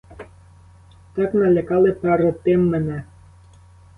Так налякали перед тим мене.